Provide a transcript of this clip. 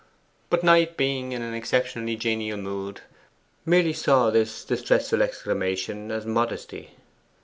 But Knight, being in an exceptionally genial mood, merely saw this distressful exclamation as modesty.